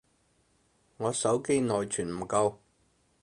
我手機內存唔夠